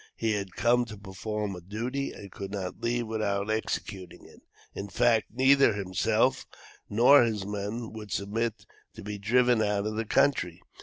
He had come to perform a duty, and could not leave without executing it. In fact, neither himself nor his men would submit to be driven out of the country.